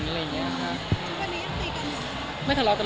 เดี๋ยวดูว่าสักเวลาแบบว่า